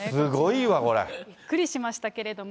びっくりしましたけれども。